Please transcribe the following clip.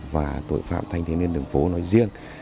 và tội phạm thành thiên niên đường phố nói riêng